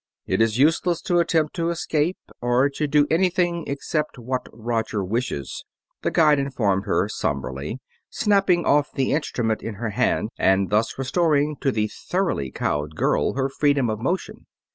"It is useless to attempt to escape, or to do anything except what Roger wishes," the guide informed her somberly, snapping off the instrument in her hand and thus restoring to the thoroughly cowed girl her freedom of motion.